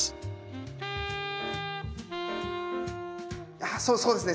ああそうですね